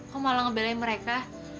kok malah ngebelain mereka